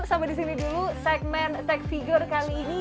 sampai disini dulu segmen tech figure kali ini